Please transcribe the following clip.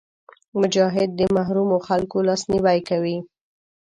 مجاهد د محرومو خلکو لاسنیوی کوي.